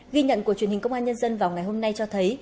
ghi nhận của truyền hình công an nhân dân vào ngày hôm nay cho thấy